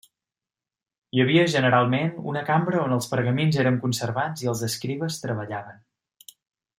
Hi havia generalment una cambra on els pergamins eren conservats i els escribes treballaven.